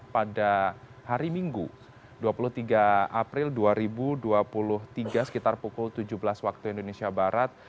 pada hari minggu dua puluh tiga april dua ribu dua puluh tiga sekitar pukul tujuh belas waktu indonesia barat